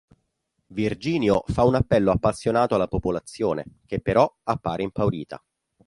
Virginio fa un appello appassionato alla popolazione, che però appare impaurita.